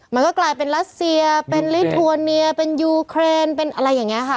มันก็กลายเป็นรัสเซียเป็นลิทัวเนียเป็นยูเครนเป็นอะไรอย่างนี้ค่ะ